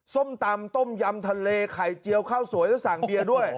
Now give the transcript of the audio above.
ส้มตำต้มยำทะเลไข่เจียวข้าวสวยแล้วสั่งเบียร์ด้วย